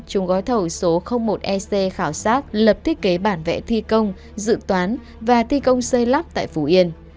chung gói thầu số một ec khảo sát lập thiết kế bản vẽ thi công dự toán và thi công xây lắp tại phú yên